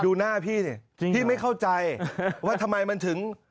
ดูหน้าพี่สิพี่ไม่เข้าใจว่าทำไมมันถึง